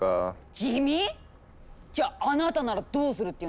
地味⁉じゃああなたならどうするっていうんですか？